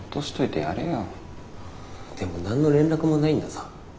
でも何の連絡もないんだぞ。